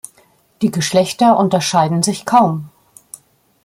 Die Geschlechter unterscheiden sich kaum.